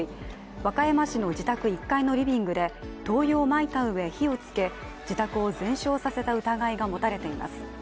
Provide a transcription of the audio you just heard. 和歌山市の自宅１階のリビングで灯油をまいたうえ、火をつけ自宅を全焼させた疑いが持たれています。